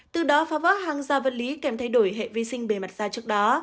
từ đó phá vỡ hàng da vật lý kèm thay đổi hệ vi sinh bề mặt da trước đó